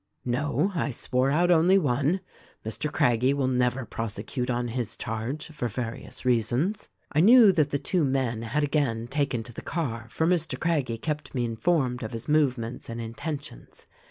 "No ; I swore out only one. Mr. Craggie will never prosecute on his charge — for various reasons. "I knew that the two men had again taken to the car, for Mr. Craggie kept me informed of his movements and inten tions.